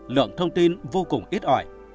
lượng thông tin vô cùng ít ỏi